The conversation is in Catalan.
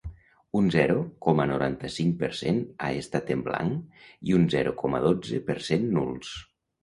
Un zero coma noranta-cinc per cent han estat en blanc i un zero coma dotze per cent nuls.